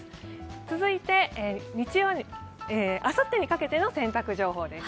続いてあさってのかけての洗濯情報です。